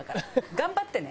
頑張ってね。